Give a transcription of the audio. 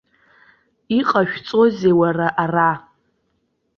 Иҟашәҵозеи уара, ара?